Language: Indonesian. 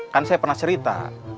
kan saya pernah cerita